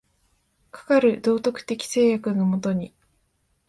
かかる道徳的制約の下に、